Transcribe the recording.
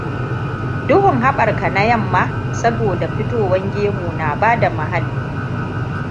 Duhun habar ka na yamma saboda fitowan gemu na bada muhalli.